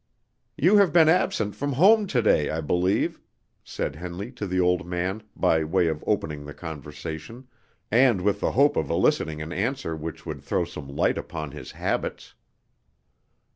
"You have been absent from home to day, I believe," said Henley to the old man, by way of opening the conversation, and with the hope of eliciting an answer which would throw some light upon his habits.